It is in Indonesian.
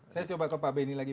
saya coba ke pak benny lagi